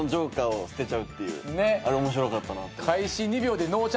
あれ面白かったなって。